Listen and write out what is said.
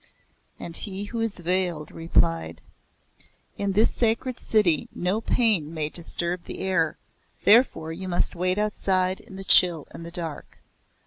And He who is veiled replied; "In this sacred City no pain may disturb the air, therefore you must wait outside in the chill and the dark.